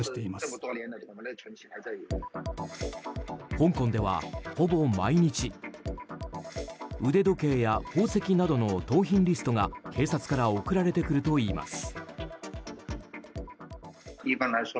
香港では、ほぼ毎日腕時計や宝石などの盗品リストが、警察から送られてくるといいます。